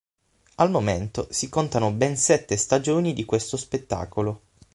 Al momento si contano ben sette stagioni di questo spettacolo.